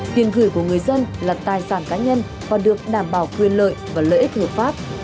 tiền gửi của người dân là tài sản cá nhân và được đảm bảo quyền lợi và lợi ích hợp pháp